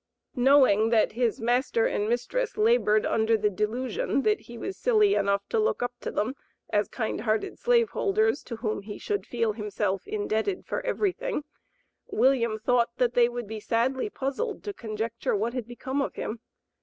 Knowing that his master and mistress labored under the delusion that he was silly enough to look up to them as kind hearted slave holders, to whom he should feel himself indebted for everything, William thought that they would be sadly puzzled to conjecture what had become of him.